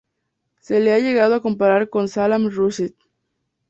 Se le ha llegado a comparar con Salman Rushdie.